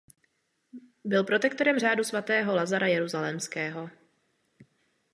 Byl protektorem řádu svatého Lazara Jeruzalémského.